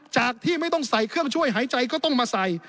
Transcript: จากที่ไม่ต้องใส่เครื่องช่วยหายใจก็ต้องมาใส่